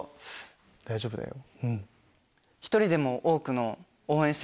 大丈夫だよ。